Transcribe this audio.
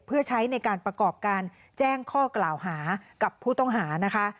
เพื่อใช้ในการประกอบการแจ้งข้อกล่าวหากับผู้ต้องหานะคะ